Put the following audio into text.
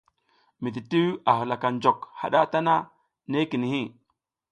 Mititiwo a halaka njok haɗa tana nekini.